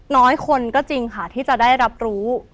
น้อยคนก็จริงค่ะที่จะได้รับรู้